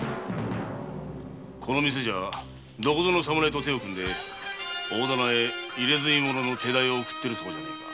この店じゃどこぞの侍と手を組んで大店へ「入墨者」の手代を送っているそうじゃねえか。